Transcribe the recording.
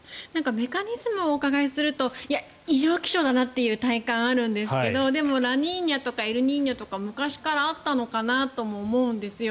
メカニズムをお伺いすると異常気象だなっていう体感があるんですがでもラニーニャとかエルニーニョって昔からあったのかなとも思うんですよ。